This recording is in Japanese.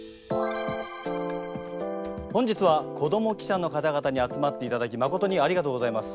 本日は子ども記者の方々に集まっていただきまことにありがとうございます。